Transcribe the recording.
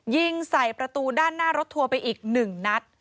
ยิงใส่ประตูด้านหน้ารถทัวร์ไปอีก๑นัด